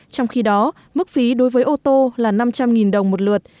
trong khi đó mức phí đối với ô tô là năm trăm linh đồng một lượt